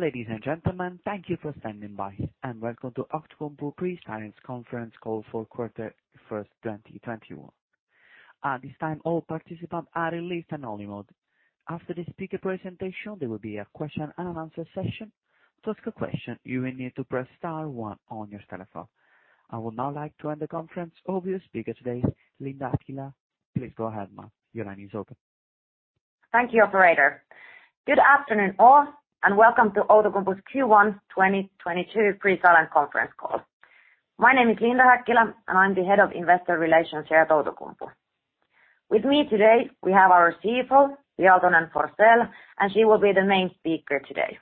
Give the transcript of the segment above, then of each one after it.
Ladies and gentlemen, thank you for standing by, and welcome to Outokumpu pre-sales conference call for quarter first 2021. At this time, all participants are in listen-only mode. After the speaker presentation, there will be a question and answer session. To ask a question, you will need to press star one on your telephone. I would now like to hand the conference over to the speaker today, Linda Häkkilä. Please go ahead, ma'am. Your line is open. Thank you, operator. Good afternoon all, and welcome to Outokumpu's Q1 2022 pre-sale and conference call. My name is Linda Häkkilä, and I'm the Head of Investor Relations here at Outokumpu. With me today, we have our CFO, Pia Aaltonen-Forsell, and she will be the main speaker today.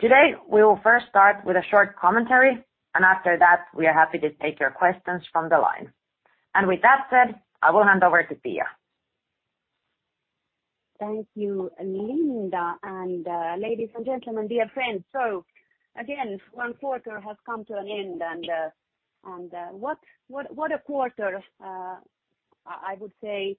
Today, we will first start with a short commentary, and after that, we are happy to take your questions from the line. With that said, I will hand over to Pia. Thank you, Linda. Ladies and gentlemen, dear friends. One quarter has come to an end. What a quarter. I would say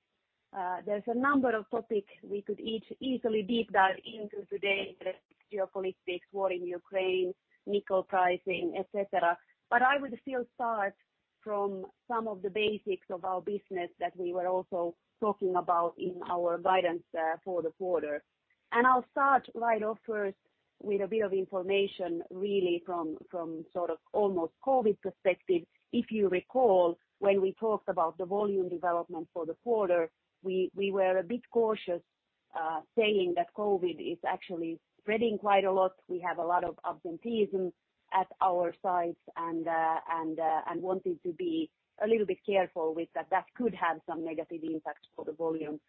there's a number of topics we could easily deep dive into today, the geopolitical war in Ukraine, nickel pricing, et cetera. I would still start from some of the basics of our business that we were also talking about in our guidance for the quarter. I'll start right off first with a bit of information, really from sort of almost COVID perspective. If you recall, when we talked about the volume development for the quarter, we were a bit cautious, saying that COVID is actually spreading quite a lot. We have a lot of absenteeism at our sites and wanting to be a little bit careful with that could have some negative impact for the volume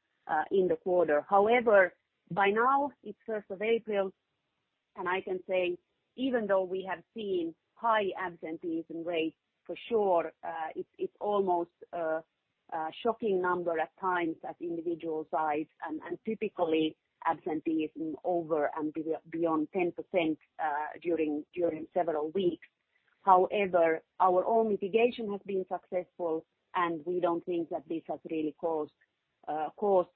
in the quarter. However, by now it's 1st of April, and I can say even though we have seen high absenteeism rates for sure, it's almost shocking number at times at individual sites and typically absenteeism over and beyond 10% during several weeks. However, our own mitigation has been successful, and we don't think that this has really caused total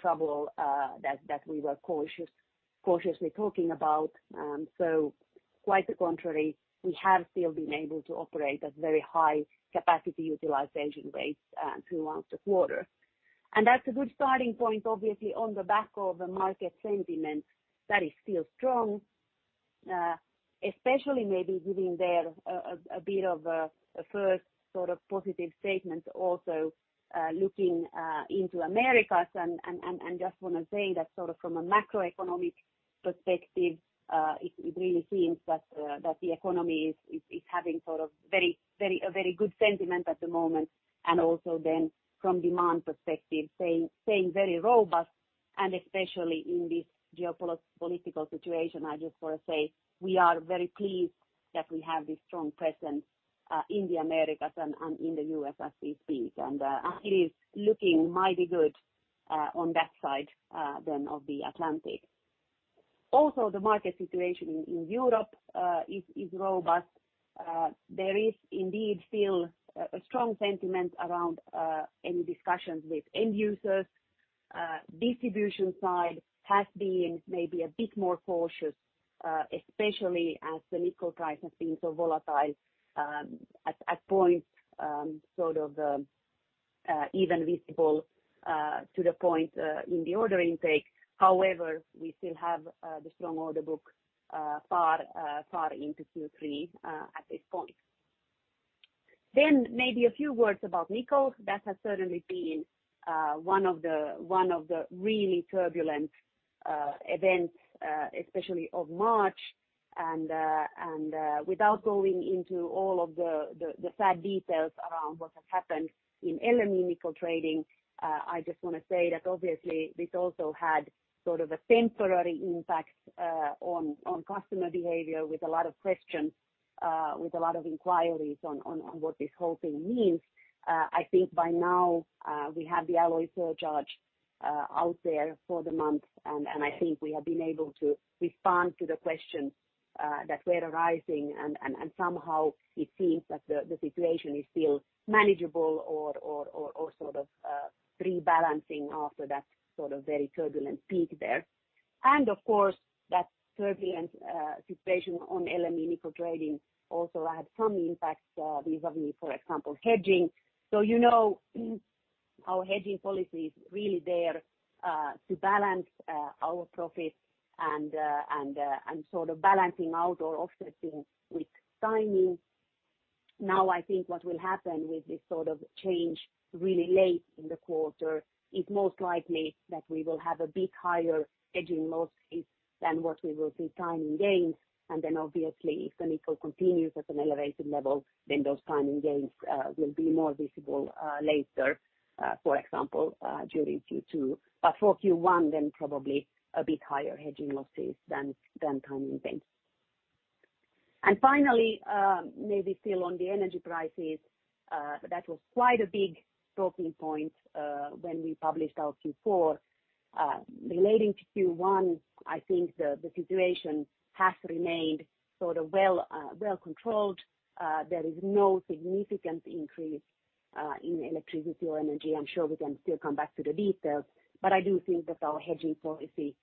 trouble that we were cautiously talking about. Quite the contrary, we have still been able to operate at very high capacity utilization rates throughout the quarter. That's a good starting point obviously on the back of the market sentiment that is still strong, especially maybe giving there a bit of a first sort of positive statement also, looking into the Americas and just want to say that sort of from a macroeconomic perspective, it really seems that the economy is having sort of a very good sentiment at the moment. From demand perspective, staying very robust and especially in this geopolitical situation, I just want to say we are very pleased that we have this strong presence in the Americas and in the U.S. as we speak. It is looking mighty good on that side of the Atlantic. The market situation in Europe is robust. There is indeed still a strong sentiment around any discussions with end users. Distribution side has been maybe a bit more cautious, especially as the nickel price has been so volatile at points, sort of even visible to the point in the order intake. However, we still have the strong order book far into Q3 at this point. Maybe a few words about nickel. That has certainly been one of the really turbulent events especially of March. Without going into all of the sad details around what has happened in LME nickel trading, I just wanna say that obviously this also had sort of a temporary impact on customer behavior with a lot of questions, with a lot of inquiries on what this whole thing means. I think by now we have the alloy surcharge out there for the month. I think we have been able to respond to the questions that were arising and somehow it seems that the situation is still manageable or sort of rebalancing after that sort of very turbulent peak there. Of course, that turbulent situation on LME nickel trading also had some impacts vis-à-vis, for example, hedging. You know, our hedging policy is really there to balance our profits and sort of balancing out or offsetting with timing. Now, I think what will happen with this sort of change really late in the quarter is most likely that we will have a bit higher hedging losses than what we will see timing gains. Then obviously if the nickel continues at an elevated level, then those timing gains will be more visible later, for example, during Q2. For Q1, then probably a bit higher hedging losses than timing gains. Finally, maybe still on the energy prices, that was quite a big talking point when we published our Q4. Relating to Q1, I think the situation has remained sort of well controlled. There is no significant increase in electricity or energy. I'm sure we can still come back to the details, but I do think that our hedging policy,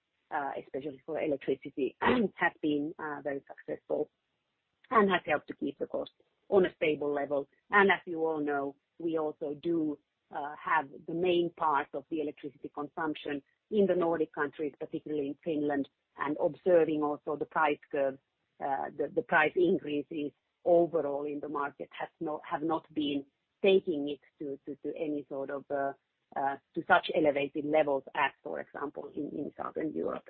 especially for electricity, has been very successful and has helped to keep the cost on a stable level. As you all know, we also do have the main part of the electricity consumption in the Nordic countries, particularly in Finland, and observing also the price curve, the price increases overall in the market have not been taking it to such elevated levels as, for example, in Southern Europe.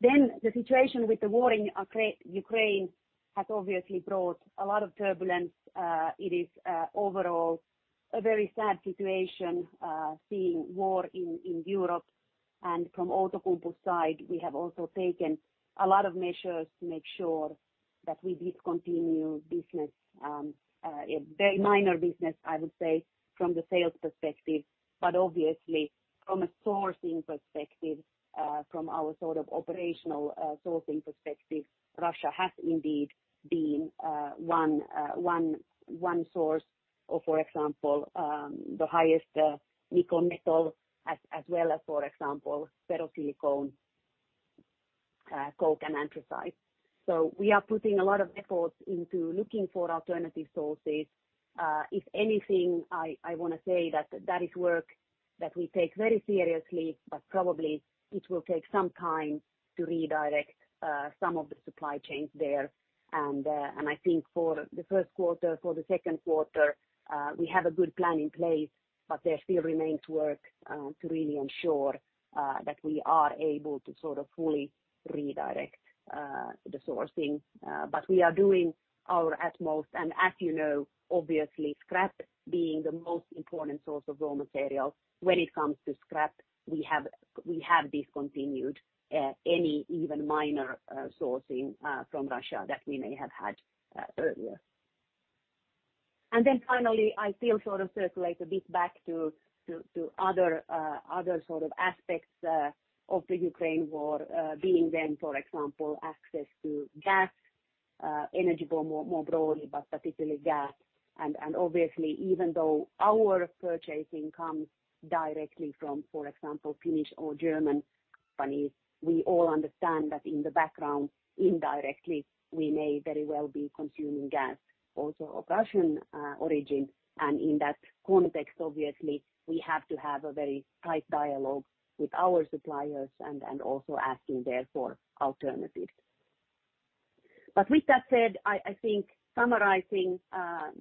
The situation with the war in Ukraine has obviously brought a lot of turbulence. It is overall a very sad situation seeing war in Europe. From Outokumpu's side, we have also taken a lot of measures to make sure that we discontinue business, a very minor business, I would say, from the sales perspective, but obviously from a sourcing perspective, from our sort of operational, sourcing perspective, Russia has indeed been one source or, for example, the highest nickel metal as well as, for example, ferrosilicon, coke, and anthracite. We are putting a lot of efforts into looking for alternative sources. If anything, I wanna say that that is work that we take very seriously, but probably it will take some time to redirect some of the supply chains there. I think for the first quarter, for the second quarter, we have a good plan in place, but there still remains work to really ensure that we are able to sort of fully redirect the sourcing. We are doing our utmost. As you know, obviously, scrap being the most important source of raw materials, when it comes to scrap, we have discontinued any even minor sourcing from Russia that we may have had earlier. Finally, I feel sort of circle back a bit to other sort of aspects of the Ukraine war, being then, for example, access to gas, energy more broadly, but particularly gas. Obviously, even though our purchasing comes directly from, for example, Finnish or German companies, we all understand that in the background, indirectly, we may very well be consuming gas also of Russian origin. In that context, obviously, we have to have a very tight dialogue with our suppliers and also asking there for alternatives. With that said, I think summarizing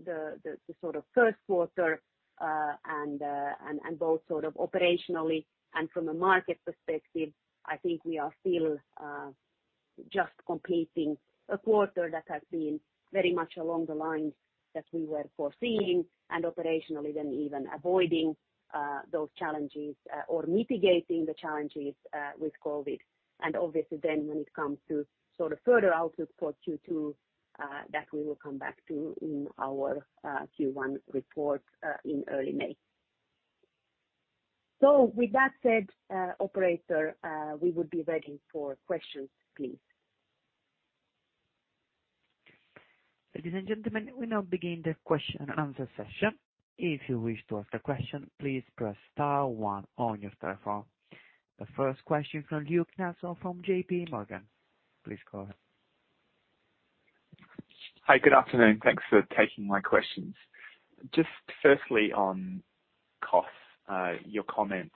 the sort of first quarter and both sort of operationally and from a market perspective, I think we are still just completing a quarter that has been very much along the lines that we were foreseeing and operationally then even avoiding those challenges or mitigating the challenges with COVID. Obviously, then, when it comes to sort of further outlook for Q2, that we will come back to in our Q1 report in early May. With that said, operator, we would be ready for questions, please. Ladies and gentlemen, we now begin the question and answer session. If you wish to ask a question, please press star one on your telephone. The first question from Luke Nelson from JPMorgan. Please go ahead. Hi. Good afternoon. Thanks for taking my questions. Just firstly, on costs, your comments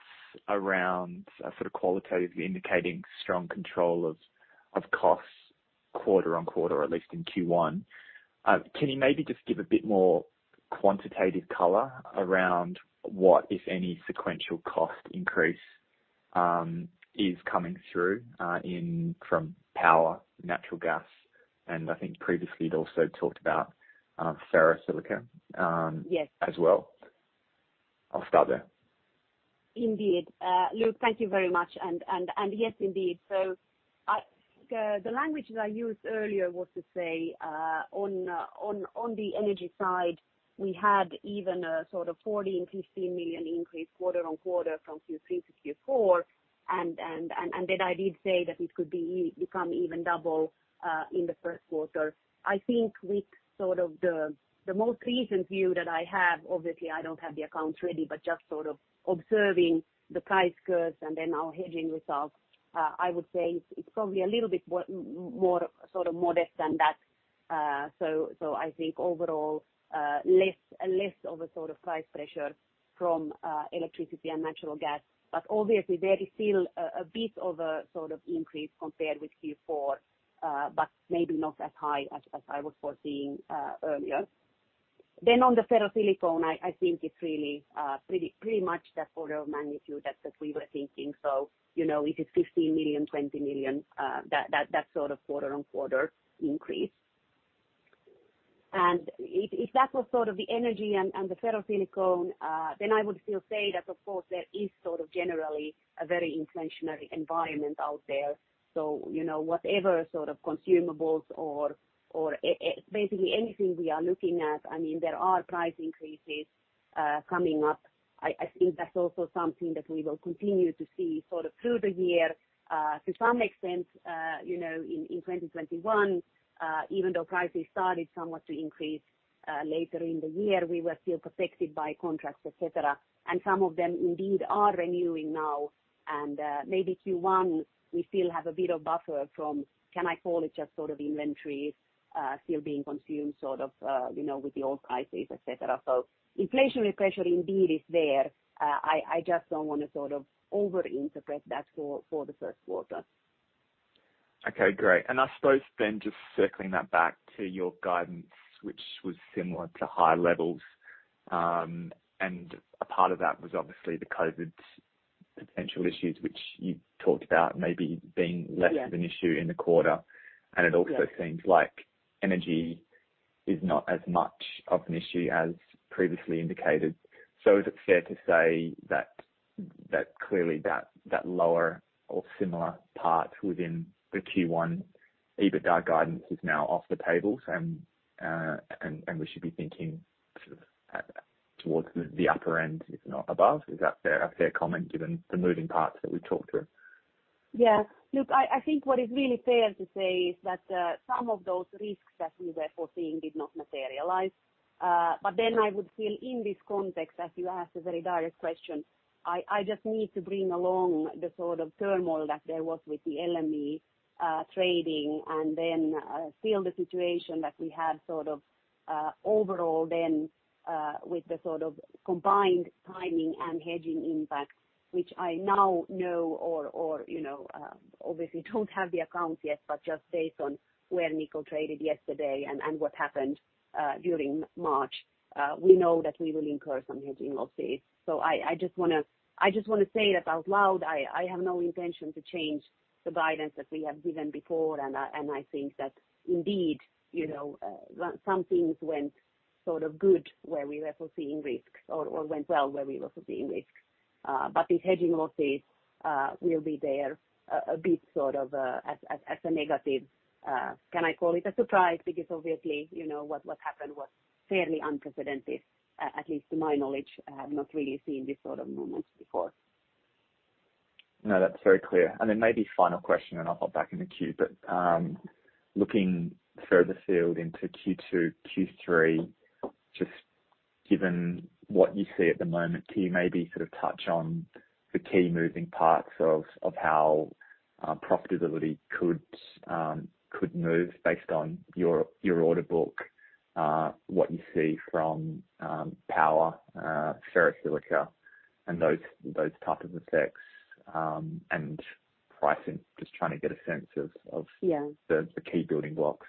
around, sort of qualitatively indicating strong control of costs quarter on quarter, at least in Q1. Can you maybe just give a bit more quantitative color around what, if any, sequential cost increase is coming through in power, natural gas, and I think previously you'd also talked about ferrosilicon? Yes. As well? I'll start there. Indeed. Luke, thank you very much. Yes, indeed. The language that I used earlier was to say, on the energy side, we had even a sort of 40 million and 50 million increase quarter-on-quarter from Q3 to Q4. Then I did say that it could become even double in the first quarter. I think with sort of the most recent view that I have, obviously I don't have the accounts ready, but just sort of observing the price curves and then our hedging results, I would say it's probably a little bit more sort of modest than that. I think overall, less of a sort of price pressure from electricity and natural gas. Obviously there is still a bit of a sort of increase compared with Q4, but maybe not as high as I was foreseeing earlier. On the ferrosilicon, I think it's really pretty much that order of magnitude that we were thinking. You know, is it 15 million, 20 million, that sort of quarter-on-quarter increase. If that was sort of the energy and the ferrosilicon, then I would still say that of course there is sort of generally a very inflationary environment out there. You know, whatever sort of consumables or basically anything we are looking at, I mean, there are price increases coming up. I think that's also something that we will continue to see sort of through the year. To some extent, you know, in 2021, even though prices started somewhat to increase later in the year, we were still protected by contracts, et cetera, and some of them indeed are renewing now. Maybe Q1, we still have a bit of buffer from, can I call it just sort of inventories, still being consumed sort of, you know, with the old prices, et cetera. Inflationary pressure indeed is there. I just don't wanna sort of over-interpret that for the first quarter. Okay, great. I suppose then just circling that back to your guidance, which was similar to high levels, and a part of that was obviously the COVID potential issues which you talked about maybe being. Yeah. Less of an issue in the quarter. Yeah. It also seems like energy is not as much of an issue as previously indicated. Is it fair to say that clearly the lower or similar part within the Q1 EBITDA guidance is now off the table and we should be thinking sort of towards the upper end, if not above? Is that a fair comment given the moving parts that we've talked through? Yeah. Luke, I think what is really fair to say is that some of those risks that we were foreseeing did not materialize. But I would feel in this context, as you asked a very direct question, I just need to bring along the sort of turmoil that there was with the LME trading and then feel the situation that we had sort of overall then with the sort of combined timing and hedging impact, which I now know or you know obviously don't have the accounts yet, but just based on where nickel traded yesterday and what happened during March, we know that we will incur some hedging losses. I just wanna say that out loud, I have no intention to change the guidance that we have given before. I think that indeed, you know, some things went sort of good where we were foreseeing risks or went well where we were foreseeing risks. These hedging losses will be there a bit sort of as a negative. Can I call it a surprise? Obviously, you know, what happened was fairly unprecedented, at least to my knowledge. I have not really seen these sort of movements before. No, that's very clear. Maybe final question, and I'll hop back in the queue. Looking further afield into Q2, Q3, just given what you see at the moment, can you maybe sort of touch on the key moving parts of how profitability could move based on your order book, what you see from power, ferrosilicon and those type of effects, and pricing? Just trying to get a sense of- Yeah. The key building blocks.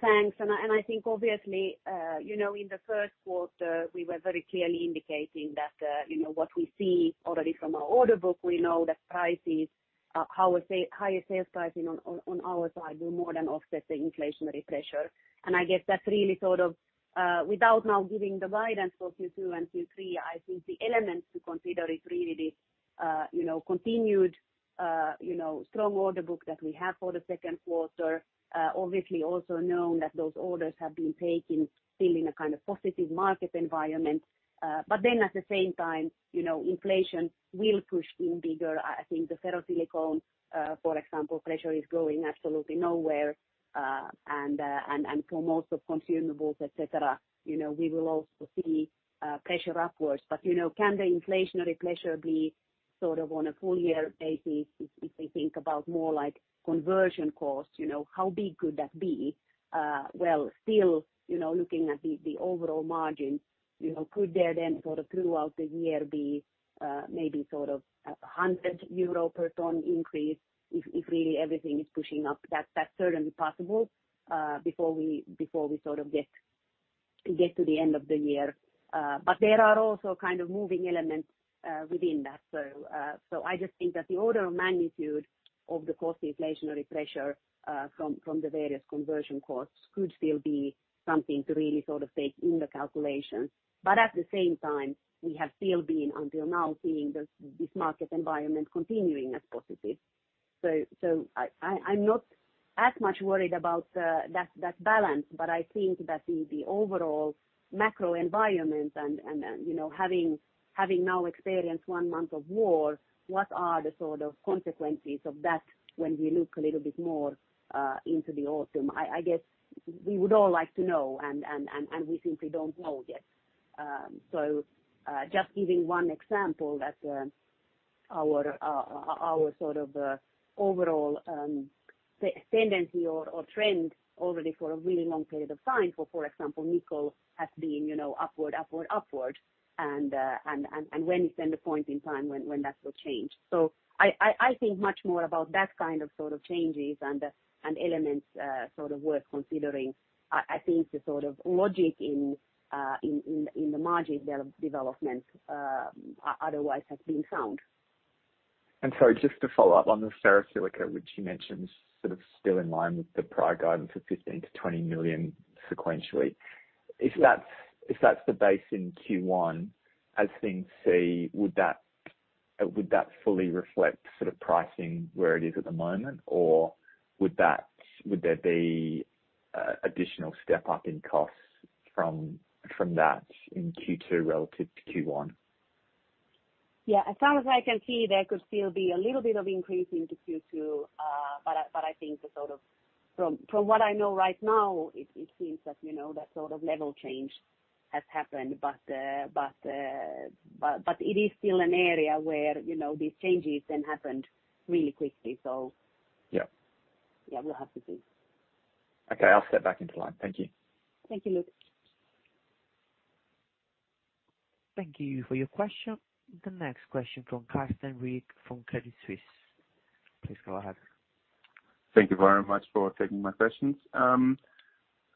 Thanks. I think obviously, you know, in the first quarter, we were very clearly indicating that, you know, what we see already from our order book, we know that prices, higher sales pricing on our side will more than offset the inflationary pressure. I guess that's really sort of without now giving the guidance for Q2 and Q3, I think the elements to consider is really the, you know, continued strong order book that we have for the second quarter. Obviously also knowing that those orders have been taken still in a kind of positive market environment. At the same time, you know, inflation will push even bigger. I think the ferrosilicon, for example, pressure is going absolutely nowhere. For most of consumables, et cetera, you know, we will also see pressure upwards. You know, can the inflationary pressure be sort of on a full year basis if we think about more like conversion costs, you know, how big could that be? Well, still, you know, looking at the overall margin, you know, could there then sort of throughout the year be maybe sort of a 100 euro per ton increase if really everything is pushing up? That's certainly possible before we sort of get to the end of the year. There are also kind of moving elements within that. I just think that the order of magnitude of the cost inflationary pressure from the various conversion costs could still be something to really sort of take in the calculation. But at the same time, we have still been, until now, seeing this market environment continuing as positive. I'm not as much worried about that balance, but I think that the overall macro environment and, you know, having now experienced one month of war, what are the sort of consequences of that when we look a little bit more into the autumn? I guess we would all like to know and we simply don't know yet. Just giving one example that our sort of overall tendency or trend already for a really long period of time, for example, nickel has been, you know, upward. When is then the point in time when that will change. I think much more about that kind of sort of changes and elements sort of worth considering. I think the sort of logic in the margin development otherwise has been sound. Sorry, just to follow up on the ferrosilicon, which you mentioned sort of still in line with the prior guidance of 15 million-20 million sequentially. If that's the base in Q1, as things stay, would that? Would that fully reflect sort of pricing where it is at the moment, or would there be an additional step up in costs from that in Q2 relative to Q1? Yeah. As far as I can see, there could still be a little bit of increase into Q2. I think from what I know right now, it seems that, you know, that sort of level change has happened. It is still an area where, you know, these changes then happened really quickly. Yeah. Yeah, we'll have to see. Okay. I'll step back into line. Thank you. Thank you, Luke. Thank you for your question. The next question from Carsten Riek from Credit Suisse. Please go ahead. Thank you very much for taking my questions. I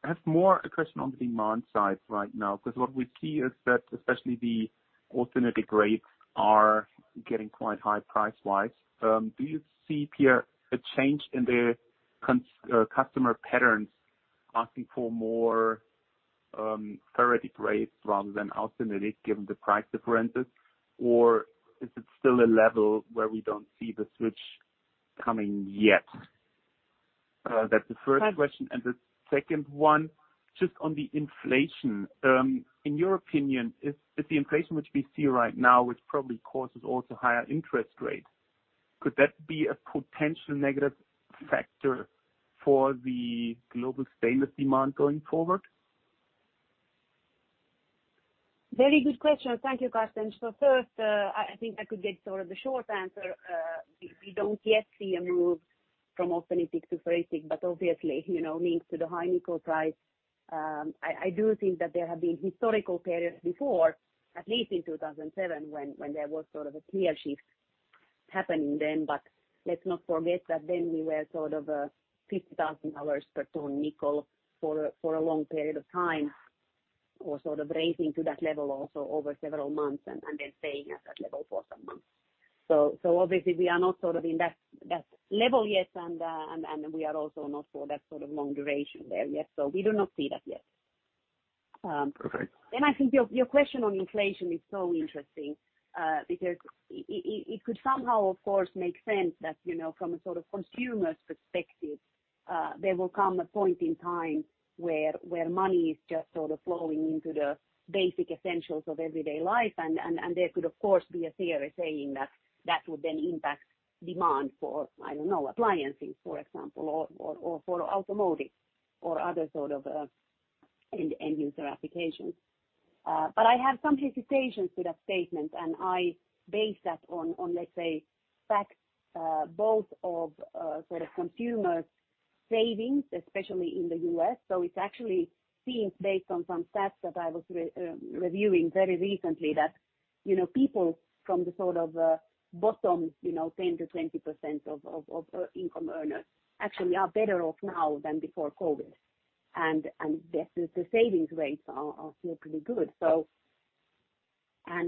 have more a question on the demand side right now, because what we see is that especially the austenitic grades are getting quite high price-wise. Do you see, Pia, a change in the customer patterns asking for more ferritic grades rather than austenitic given the price differences? Or is it still a level where we don't see the switch coming yet? That's the first question. Right. The second one, just on the inflation. In your opinion, is the inflation which we see right now, which probably causes also higher interest rates, could that be a potential negative factor for the global stainless demand going forward? Very good question. Thank you, Carsten. First, I think I could give sort of the short answer. We don't yet see a move from austenitic to ferritic, but obviously, you know, links to the high nickel price. I do think that there have been historical periods before, at least in 2007, when there was sort of a clear shift happening then. Let's not forget that then we were sort of $50,000 per ton nickel for a long period of time, or sort of rising to that level also over several months and then staying at that level for some months. Obviously we are not sort of in that level yet. We are also not for that sort of long duration there yet. We do not see that yet. Okay. I think your question on inflation is so interesting, because it could somehow of course make sense that, you know, from a sort of consumer's perspective, there will come a point in time where money is just sort of flowing into the basic essentials of everyday life. There could of course be a theory saying that that would then impact demand for, I don't know, appliances for example, or for automotive or other sort of end user applications. But I have some hesitations to that statement, and I base that on, let's say, facts, both of sort of consumer savings, especially in the U.S. It actually seems based on some stats that I was reviewing very recently that, you know, people from the sort of bottom, you know, 10%-20% of income earners actually are better off now than before COVID. The savings rates are still pretty good.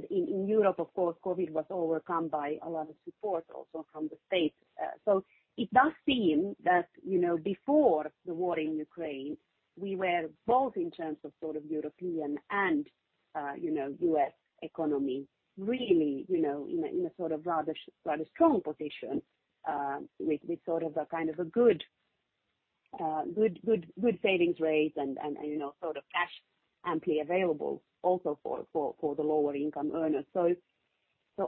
In Europe of course, COVID was overcome by a lot of support also from the state. It does seem that, you know, before the war in Ukraine, we were both in terms of sort of European and, you know, U.S. economy really, you know, in a sort of rather strong position, with sort of a kind of a good savings rates and, you know, sort of cash amply available also for the lower income earners.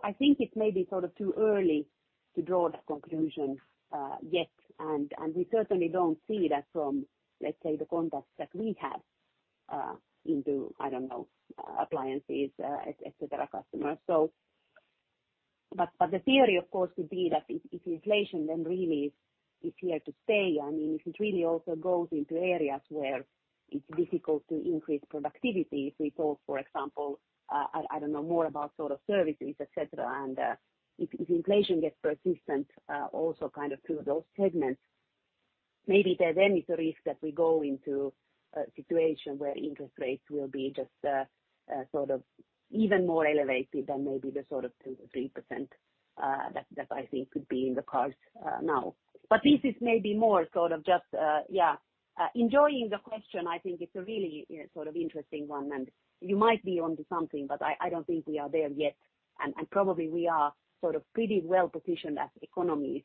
I think it may be sort of too early to draw that conclusion yet. We certainly don't see that from, let's say, the contacts that we have into, I don't know, appliances, et cetera, customers. The theory of course would be that if inflation then really is here to stay, I mean, if it really also goes into areas where it's difficult to increase productivity. If we talk, for example, I don't know, more about sort of services, et cetera. If inflation gets persistent, also kind of through those segments, maybe there then is a risk that we go into a situation where interest rates will be just sort of even more elevated than maybe the sort of 2%-3% that I think could be in the cards now. This is maybe more sort of just enjoying the question. I think it's a really sort of interesting one, and you might be onto something, but I don't think we are there yet. Probably, we are sort of pretty well positioned as economies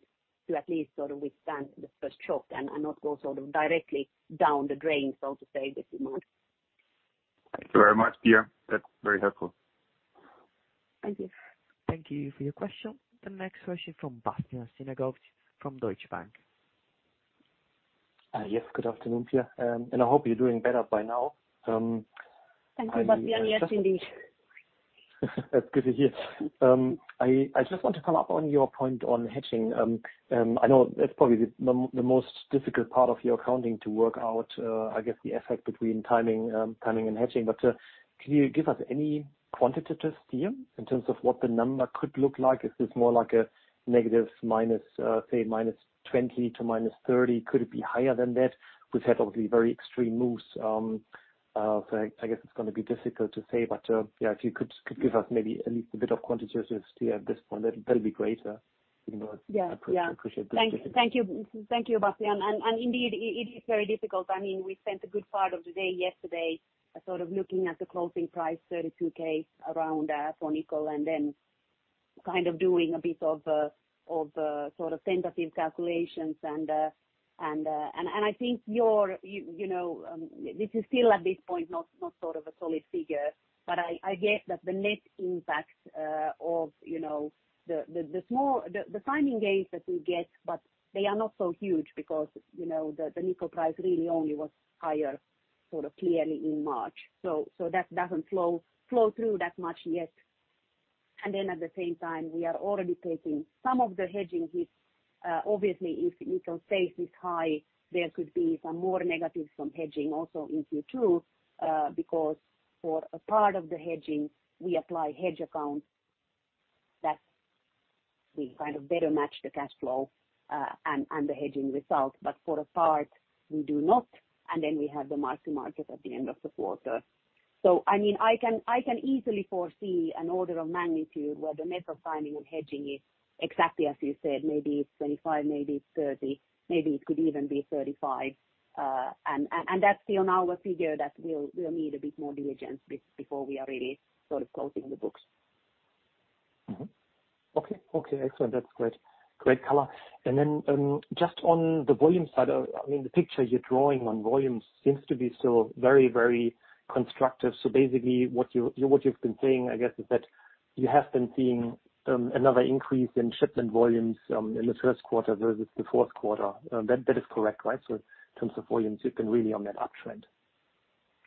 to at least sort of withstand the first shock and not go sort of directly down the drain, so to say, this month. Thank you very much, Pia. That's very helpful. Thank you. Thank you for your question. The next question from Bastian Synagowitz from Deutsche Bank. Yes. Good afternoon, Pia. I hope you're doing better by now. I just- Thank you, Bastian. Yes, indeed. That's good to hear. I just want to follow up on your point on hedging. I know that's probably the most difficult part of your accounting to work out, I guess the effect between timing and hedging. Can you give us any quantitative steer in terms of what the number could look like? Is this more like a negative minus, say -20 to -30? Could it be higher than that? We've had obviously very extreme moves. I guess it's gonna be difficult to say, yeah, if you could give us maybe at least a bit of quantitative steer at this point, that'd be great. Yeah, yeah. I appreciate that. Thank you, Bastian. Indeed, it is very difficult. I mean, we spent a good part of the day yesterday sort of looking at the closing price around EUR 32,000 on nickel and then kind of doing a bit of sort of tentative calculations. I think you know, this is still at this point not sort of a solid figure, but I get that the net impact of you know, the timing gains that we get, but they are not so huge because you know, the nickel price really only was higher sort of clearly in March. That doesn't flow through that much yet. Then at the same time, we are already taking some of the hedging hits. Obviously, if nickel stays this high, there could be some more negatives from hedging also in Q2, because for a part of the hedging, we apply hedge accounting that we kind of better match the cash flow, and the hedging result. For a part, we do not. Then we have the mark-to-market at the end of the quarter. I mean, I can easily foresee an order of magnitude where the net of timing and hedging is exactly as you said, maybe 25, maybe 30, maybe it could even be 35. That's on our figure that we'll need a bit more diligence before we are really sort of closing the books. Mm-hmm. Okay. Okay. Excellent. That's great. Great color. Just on the volume side, I mean, the picture you're drawing on volumes seems to be still very, very constructive. Basically what you've been saying, I guess, is that you have been seeing another increase in shipment volumes in the first quarter versus the fourth quarter. That is correct, right? In terms of volumes, you've been really on that uptrend.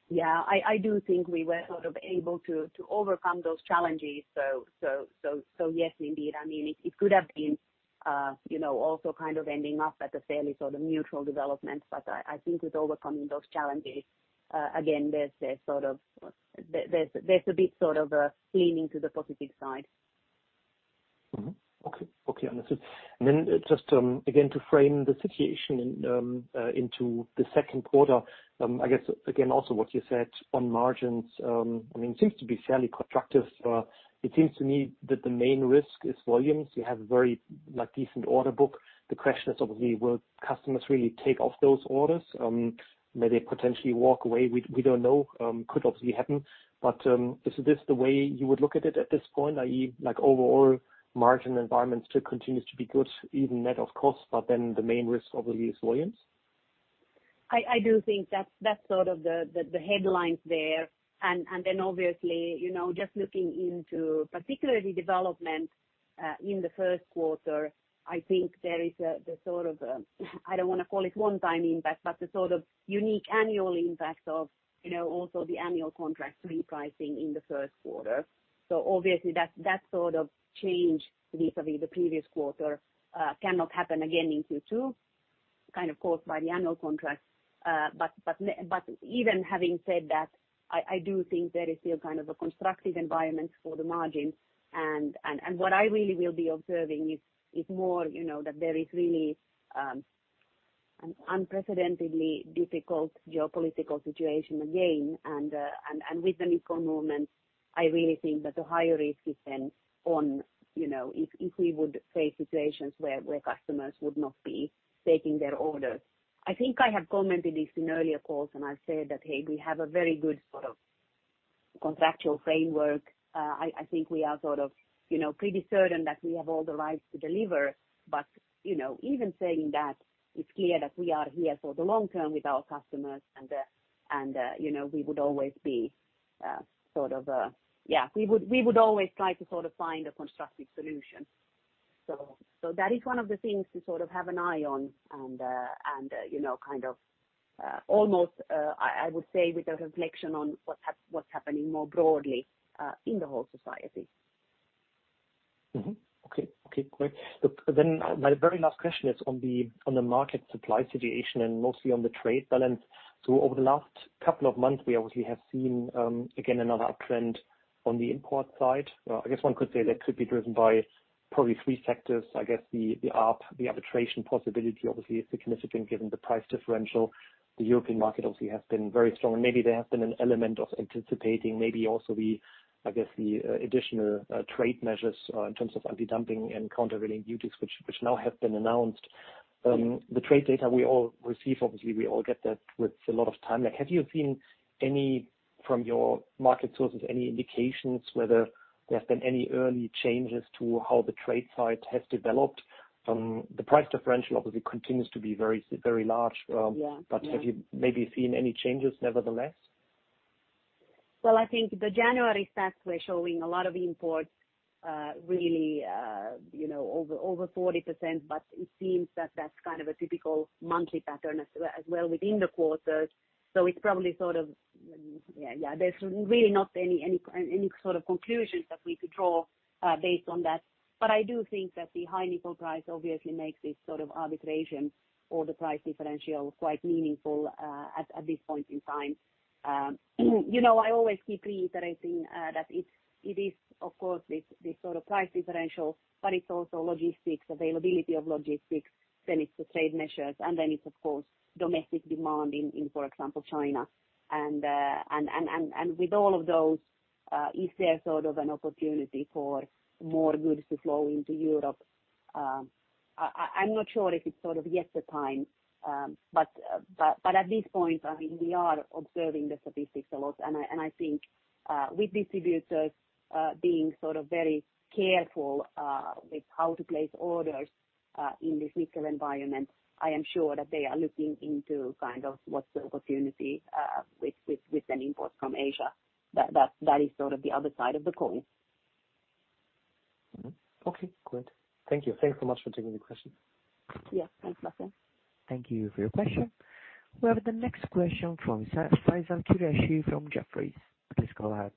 Yeah. I do think we were sort of able to overcome those challenges, so yes, indeed. I mean, it could have been, you know, also kind of ending up at a fairly sort of neutral development. I think with overcoming those challenges, again, there's a bit sort of a leaning to the positive side. Mm-hmm. Okay. Okay. Understood. Just, again, to frame the situation into the second quarter, I guess again, also what you said on margins, I mean, it seems to be fairly constructive. It seems to me that the main risk is volumes. You have a very, like, decent order book. The question is obviously will customers really take off those orders? May they potentially walk away? We don't know. Could obviously happen. But, is this the way you would look at it at this point? I.e., like overall margin environment still continues to be good, even net of costs, but then the main risk obviously is volumes? I do think that's sort of the headlines there. Then obviously, you know, just looking into particular development in the first quarter, I think there is the sort of, I don't wanna call it one-time impact, but the sort of unique annual impact of, you know, also the annual contract repricing in the first quarter. Obviously that sort of change vis-à-vis the previous quarter cannot happen again in Q2, kind of caused by the annual contract. But even having said that, I do think there is still kind of a constructive environment for the margin. And what I really will be observing is more, you know, that there is really an unprecedentedly difficult geopolitical situation again. With the nickel movement, I really think that the higher risk is then on, you know, if we would face situations where customers would not be taking their orders. I think I have commented this in earlier calls, and I've said that, "Hey, we have a very good sort of contractual framework." I think we are sort of, you know, pretty certain that we have all the rights to deliver. You know, even saying that, it's clear that we are here for the long term with our customers and, you know, we would always be sort of yeah we would always try to sort of find a constructive solution. That is one of the things to sort of have an eye on and, you know, kind of almost I would say with a reflection on what's happening more broadly in the whole society. Okay. Great. Look, my very last question is on the market supply situation and mostly on the trade balance. Over the last couple of months, we obviously have seen again another uptrend on the import side. I guess one could say that could be driven by probably three factors. I guess the arbitrage possibility, obviously, is significant given the price differential. The European market obviously has been very strong. Maybe there has been an element of anticipating maybe also the additional trade measures in terms of anti-dumping and countervailing duties, which now have been announced. The trade data we all receive, obviously we all get that with a lot of time lag. Have you seen any, from your market sources, any indications whether there have been any early changes to how the trade side has developed? The price differential obviously continues to be very large. Yeah. Have you maybe seen any changes nevertheless? Well, I think the January stats were showing a lot of imports, really, you know, over 40%, but it seems that that's kind of a typical monthly pattern as well within the quarters. It's probably sort of, yeah, there's really not any sort of conclusions that we could draw based on that. I do think that the high nickel price obviously makes this sort of arbitrage or the price differential quite meaningful at this point in time. You know, I always keep reiterating that it is of course this sort of price differential, but it's also logistics, availability of logistics, then it's the trade measures, and then it's of course domestic demand in, for example, China. Is there sort of an opportunity for more goods to flow into Europe? I'm not sure if it's sort of yet the time, but at this point, I mean, we are observing the statistics a lot. I think with distributors being sort of very careful with how to place orders in this nickel environment, I am sure that they are looking into kind of what's the opportunity with an import from Asia. That is sort of the other side of the coin. Okay, great. Thank you. Thanks so much for taking the question. Yeah. Thanks, Bastian. Thank you for your question. We have the next question from Faisal Qureshi from Jefferies. Please go ahead.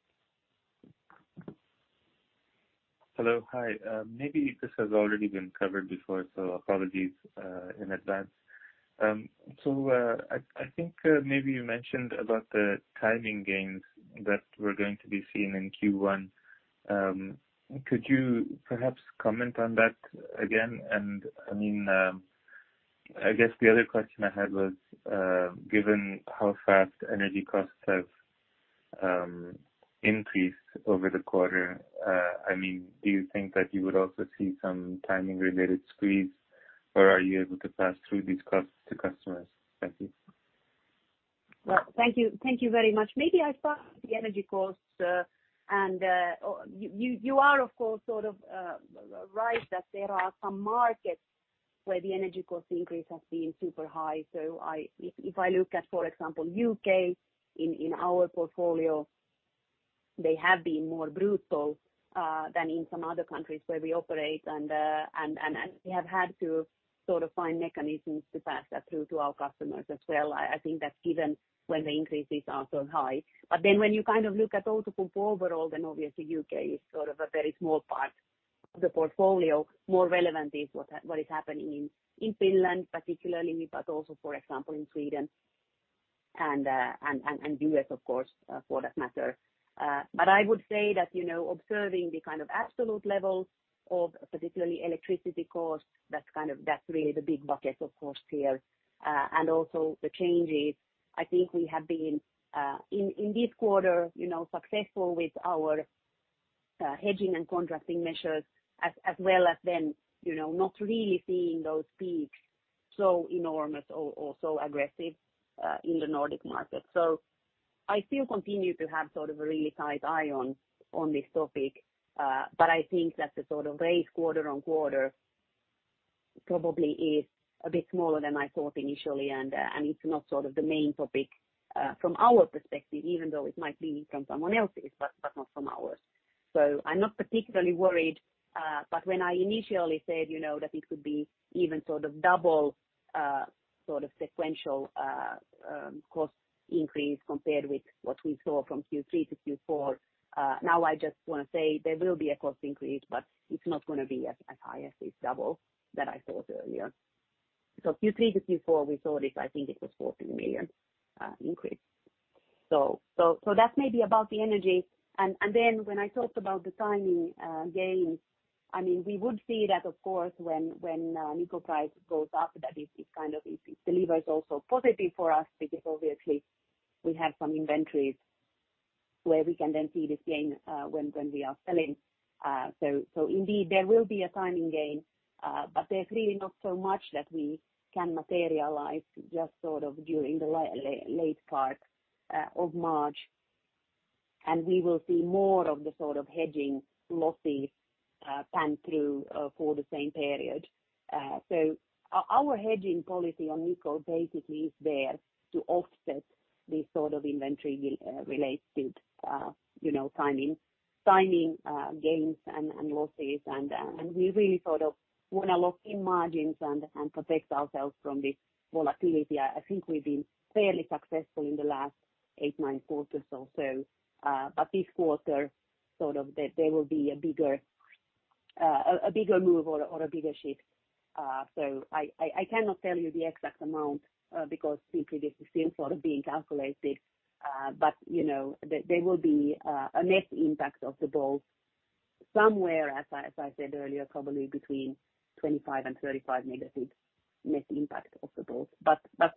Hello, hi. Maybe this has already been covered before, so apologies in advance. I think maybe you mentioned about the timing gains that we're going to be seeing in Q1. Could you perhaps comment on that again? I mean, I guess the other question I had was, given how fast energy costs have increased over the quarter, I mean, do you think that you would also see some timing-related squeeze, or are you able to pass through these costs to customers? Thank you. Well, thank you. Thank you very much. Maybe I thought the energy costs, and you are of course sort of right that there are some markets where the energy cost increase has been super high. If I look at, for example, the U.K. in our portfolio, they have been more brutal than in some other countries where we operate, and we have had to sort of find mechanisms to pass that through to our customers as well. I think that's given when the increases are so high. When you kind of look at Outokumpu overall, obviously the U.K. is sort of a very small part of the portfolio. More relevant is what is happening in Finland particularly, but also for example in Sweden and U.S. of course for that matter. I would say that, you know, observing the kind of absolute levels of particularly electricity costs, that's really the big bucket of costs here. Also the changes, I think we have been in this quarter, you know, successful with our hedging and contracting measures as well as then, you know, not really seeing those peaks so enormous or so aggressive in the Nordic market. I still continue to have sort of a really tight eye on this topic. I think that the sort of rise quarter-on-quarter probably is a bit smaller than I thought initially. It's not sort of the main topic from our perspective, even though it might be from someone else's, but not from ours. I'm not particularly worried. When I initially said, you know, that it could be even sort of double sort of sequential cost increase compared with what we saw from Q3 to Q4, now I just wanna say there will be a cost increase, but it's not gonna be as high as it double that I thought earlier. Q3 to Q4 we saw it. I think it was 14 million increase. That's maybe about the energy. When I talked about the timing gains, I mean, we would see that of course when nickel price goes up, that is kind of the lever is also positive for us because obviously we have some inventories where we can then see this gain when we are selling. Indeed there will be a timing gain, but they're really not so much that we can materialize just sort of during the late part of March. We will see more of the sort of hedging losses pass through for the same period. Our hedging policy on nickel basically is there to offset this sort of inventory related, you know, timing gains and losses. We really sort of wanna lock in margins and protect ourselves from this volatility. I think we've been fairly successful in the last eight, nine quarters or so. This quarter, sort of there will be a bigger move or a bigger shift. I cannot tell you the exact amount because simply this is still sort of being calculated. You know, there will be a net impact of both somewhere, as I said earlier, probably between 25 million and 35 million net impact of both.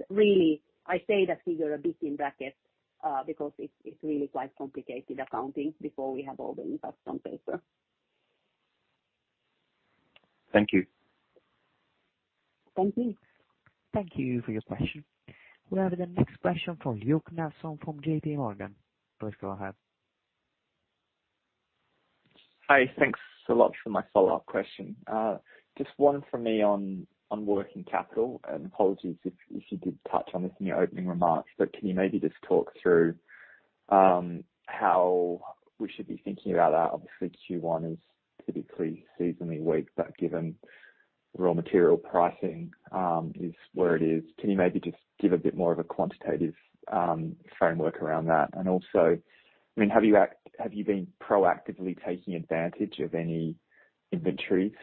Really I say that figure a bit in brackets because it's really quite complicated accounting before we have all the impacts on paper. Thank you. Thank you. Thank you for your question. We have the next question from Luke Nelson from JPMorgan. Please go ahead. Hi. Thanks a lot for my follow-up question. Just one for me on working capital, and apologies if you did touch on this in your opening remarks. Can you maybe just talk through how we should be thinking about that? Obviously, Q1 is typically seasonally weak, but given raw material pricing is where it is. Can you maybe just give a bit more of a quantitative framework around that? And also, I mean, have you been proactively taking advantage of any inventory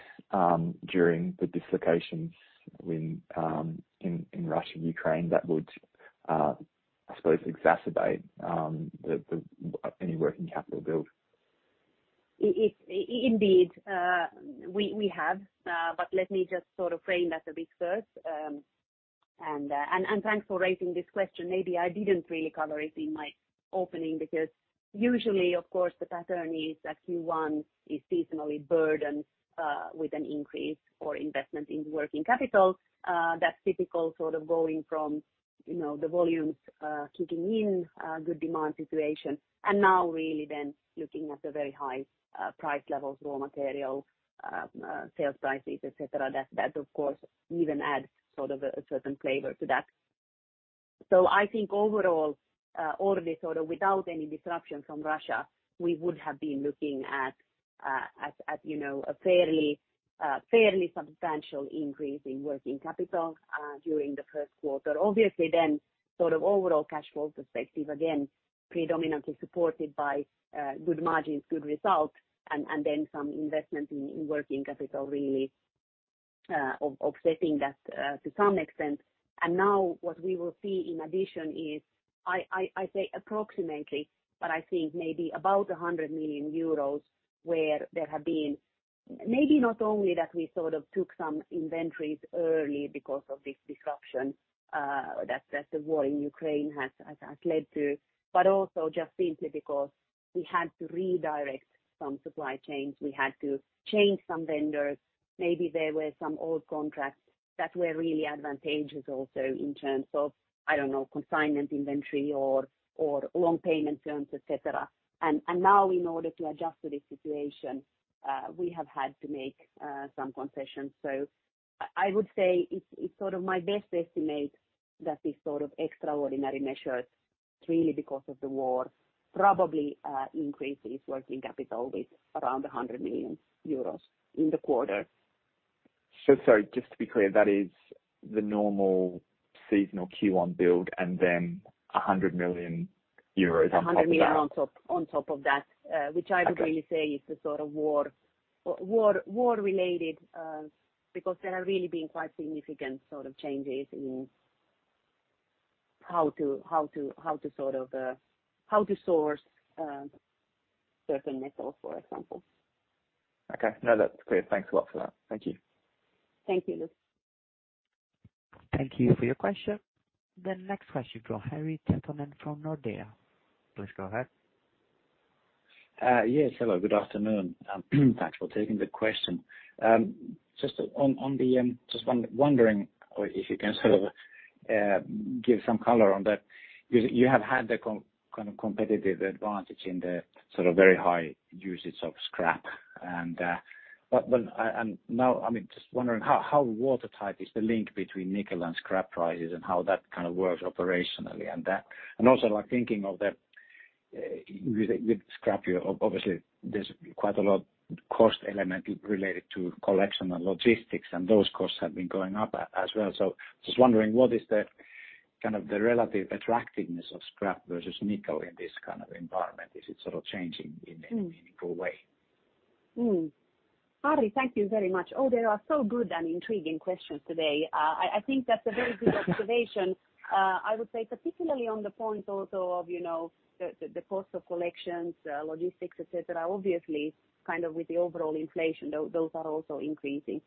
during the dislocations when in Russia and Ukraine that would I suppose exacerbate any working capital build? Indeed, we have, but let me just sort of frame that a bit first. Thanks for raising this question. Maybe I didn't really cover it in my opening because usually, of course, the pattern is that Q1 is seasonally burdened with an increase or investment in working capital. That's typical sort of going from, you know, the volumes kicking in, a good demand situation and now really then looking at the very high price levels, raw material sales prices, et cetera. That of course even adds sort of a certain flavor to that. I think overall already sort of without any disruption from Russia, we would have been looking at, you know, a fairly substantial increase in working capital during the first quarter. Obviously, sort of overall cash flow perspective, again, predominantly supported by good margins, good results and then some investment in working capital really, of offsetting that to some extent. Now what we will see in addition is I say approximately, but I think maybe about 100 million euros, where there have been maybe not only that we sort of took some inventories early because of this disruption that the war in Ukraine has led to, but also just simply because we had to redirect some supply chains. We had to change some vendors. Maybe there were some old contracts that were really advantageous also in terms of, I don't know, consignment inventory or long payment terms, et cetera. Now in order to adjust to this situation, we have had to make some concessions. I would say it's sort of my best estimate that these sort of extraordinary measures, really because of the war, probably increases working capital with around 100 million euros in the quarter. Sorry, just to be clear, that is the normal seasonal Q1 build and then 100 million euros on top of that? 100 million on top, on top of that. Okay. Which I would really say is the sort of war-related, because there have really been quite significant sort of changes in how to sort of source certain metals, for example. Okay. No, that's clear. Thanks a lot for that. Thank you. Thank you, Luke. Thank you for your question. The next question from Harri Tiitinen from Nordea, please go ahead. Yes. Hello, good afternoon. Thanks for taking the question. Just wondering if you can sort of give some color on that, you have had the kind of competitive advantage in the sort of very high usage of scrap, but now, I mean, just wondering how watertight is the link between nickel and scrap prices and how that kind of works operationally and that. Also like thinking of the with scrap, you obviously there's quite a lot of cost element related to collection and logistics, and those costs have been going up as well. Just wondering what is the kind of relative attractiveness of scrap versus nickel in this kind of environment? Is it sort of changing in any meaningful way? Harri, thank you very much. They are so good and intriguing questions today. I think that's a very good observation. I would say particularly on the point also of, you know, the cost of collections, logistics, et cetera, obviously kind of with the overall inflation, those are also increasing.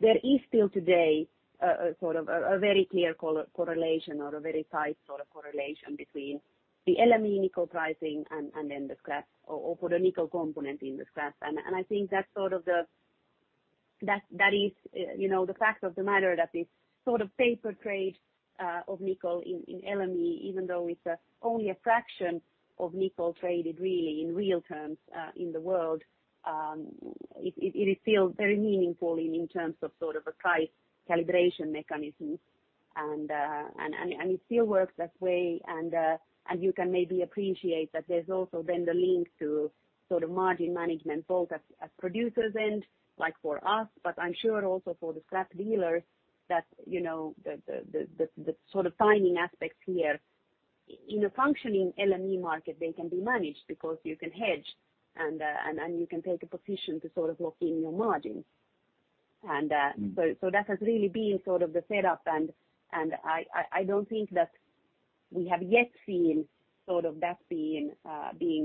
There is still today a sort of a very clear correlation or a very tight sort of correlation between the LME nickel pricing and then the scrap or for the nickel component in the scrap. I think that's sort of the fact of the matter that this sort of paper trade of nickel in LME, even though it's only a fraction of nickel traded really in real terms in the world, it is still very meaningful in terms of sort of a price calibration mechanism. It still works that way. As you can maybe appreciate, there's also then the link to sort of margin management both at producers' end, like for us, but I'm sure also for the scrap dealers, that you know, the sort of timing aspects here. In a functioning LME market, they can be managed because you can hedge and you can take a position to sort of lock in your margins. Mm. That has really been sort of the setup and I don't think that we have yet seen sort of that being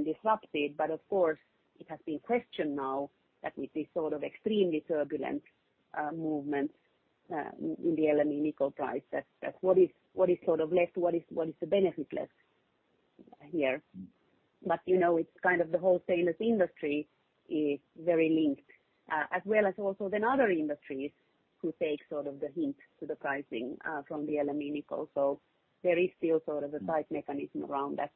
disrupted. Of course, it has been questioned now that with this sort of extremely turbulent movement in the LME nickel price that what is sort of left, what is the benefit left here? You know, it's kind of the whole stainless industry is very linked, as well as also then other industries who take sort of the hint to the pricing from the LME nickel. There is still sort of a tight mechanism around that.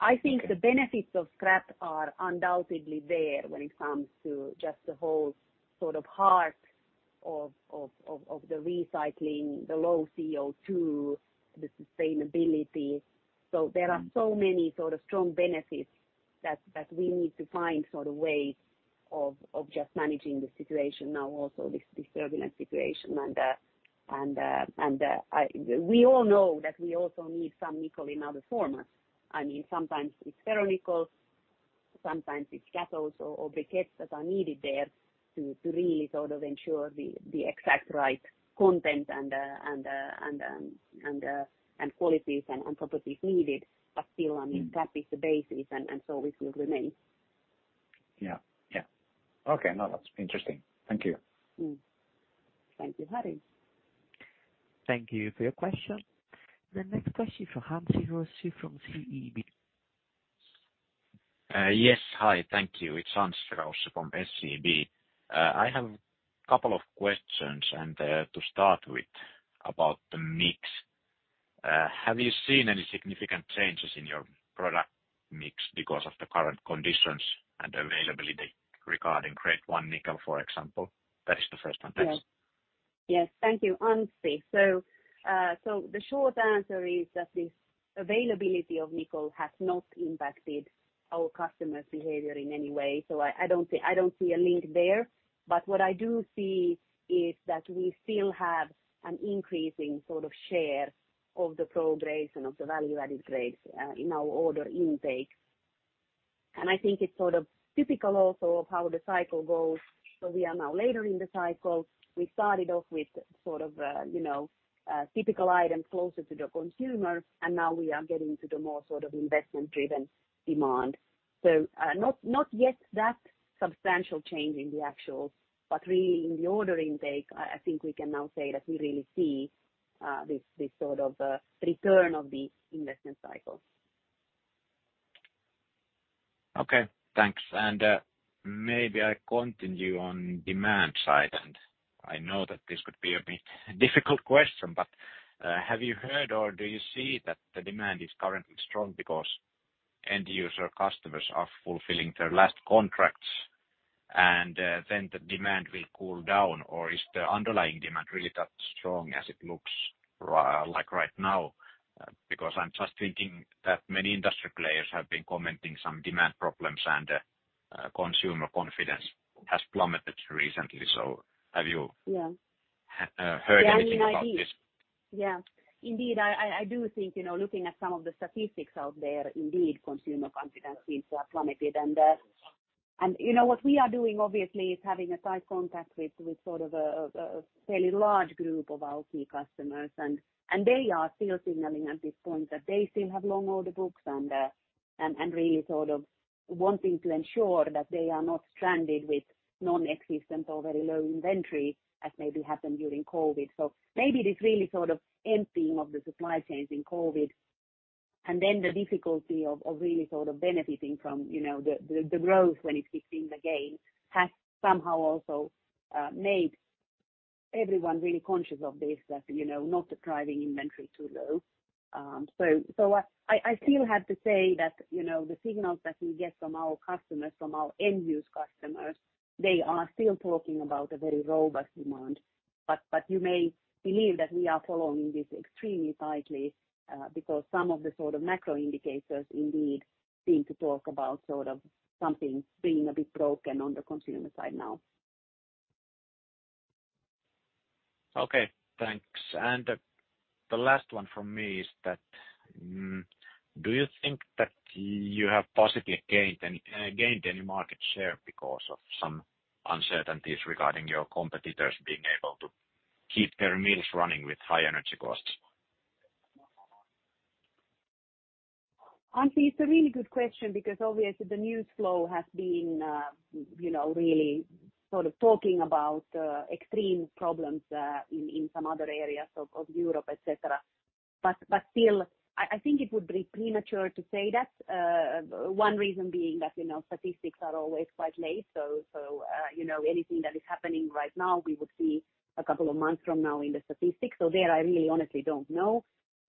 I think the benefits of scrap are undoubtedly there when it comes to just the whole sort of heart of the recycling, the low CO2, the sustainability. There are so many sort of strong benefits that we need to find sort of ways of just managing the situation now also this turbulent situation. We all know that we also need some nickel in other formats. I mean, sometimes it's ferronickel, sometimes it's cast also or briquettes that are needed there to really sort of ensure the exact right content and qualities and properties needed. Still, I mean, scrap is the basis and so it will remain. Yeah, yeah. Okay. No, that's interesting. Thank you. Thank you, Harri. Thank you for your question. The next question from Anssi Raussi from SEB. Yes. Hi. Thank you. It's Anssi Raussi from SEB. I have a couple of questions, and, to start with, about the mix. Have you seen any significant changes in your product mix because of the current conditions and availability regarding grade one nickel, for example? That is the first one. Thanks. Yes. Thank you, Anssi. The short answer is that this availability of nickel has not impacted our customer's behavior in any way. I don't see a link there. What I do see is that we still have an increasing sort of share of the pro grades and of the value-added grades in our order intake. I think it's sort of typical also of how the cycle goes. We are now later in the cycle. We started off with sort of you know typical items closer to the consumer, and now we are getting to the more sort of investment-driven demand. Not yet that substantial change in the actual, but really in the order intake, I think we can now say that we really see this sort of return of the investment cycle. Okay. Thanks. Maybe I continue on demand side. I know that this could be a bit difficult question, but have you heard or do you see that the demand is currently strong because end user customers are fulfilling their last contracts and then the demand will cool down? Or is the underlying demand really that strong as it looks like right now? Because I'm just thinking that many industry players have been commenting some demand problems and consumer confidence has plummeted recently. Have you- Yeah. Heard anything about this? Yeah. Indeed, I do think you know, looking at some of the statistics out there, indeed, consumer confidence seems to have plummeted. You know, what we are doing, obviously, is having a tight contact with sort of a fairly large group of our key customers. They are still signaling at this point that they still have long order books and really sort of wanting to ensure that they are not stranded with non-existent or very low inventory as maybe happened during COVID. Maybe this really sort of emptying of the supply chains in COVID, and then the difficulty of really sort of benefiting from you know, the growth when it kicks in again, has somehow also made everyone really conscious of this, that you know, not driving inventory too low. I still have to say that, you know, the signals that we get from our customers, from our end-use customers, they are still talking about a very robust demand. You may believe that we are following this extremely tightly, because some of the sort of macro indicators indeed seem to talk about sort of something being a bit broken on the consumer side now. Okay. Thanks. The last one from me is that, do you think that you have possibly gained any market share because of some uncertainties regarding your competitors being able to keep their mills running with high energy costs? Anssi, it's a really good question because obviously the news flow has been, you know, really sort of talking about extreme problems in some other areas of Europe, et cetera. Still, I think it would be premature to say that, one reason being that, you know, statistics are always quite late, so you know, anything that is happening right now, we would see a couple of months from now in the statistics. There, I really honestly don't know.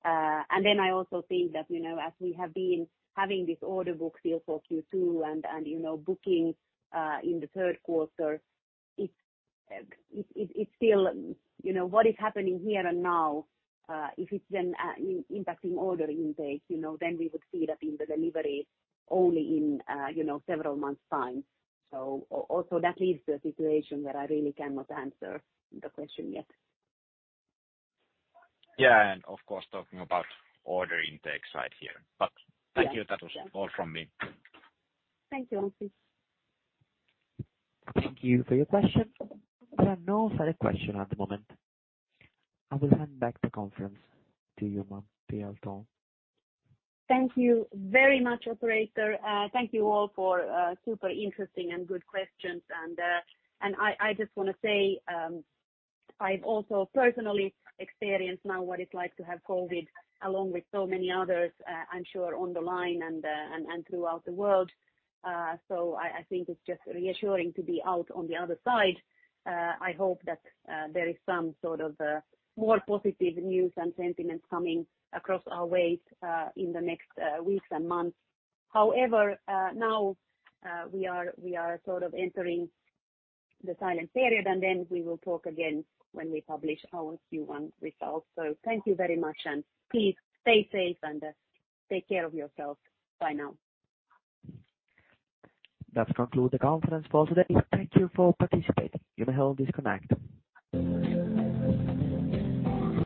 I also think that, you know, as we have been having this order book still for Q2 and, you know, bookings in the third quarter, it's still, you know, what is happening here and now, if it's then impacting order intake, you know, then we would see that in the delivery only in, you know, several months' time. Also, that leaves the situation where I really cannot answer the question yet. Yeah. Of course, talking about order intake side here. Thank you. Yes. Yeah. That was all from me. Thank you, Anssi. Thank you for your question. There are no further question at the moment. I will hand back the conference to you, ma'am, Pia Aaltonen. Thank you very much, operator. Thank you all for super interesting and good questions. I just wanna say, I've also personally experienced now what it's like to have COVID, along with so many others, I'm sure on the line and throughout the world. I think it's just reassuring to be out on the other side. I hope that there is some sort of more positive news and sentiments coming across our ways in the next weeks and months. However, now we are sort of entering the silent period, and then we will talk again when we publish our Q1 results. Thank you very much, and please stay safe and take care of yourself. Bye now. That concludes the conference for today. Thank you for participating. You may all disconnect.